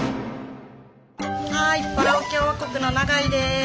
はいパラオ共和国の永井です。